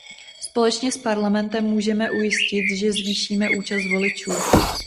Společně s Parlamentem můžeme ujistit, že zvýšíme účast voličů.